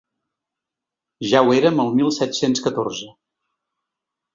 Ja ho érem el mil set-cents catorze.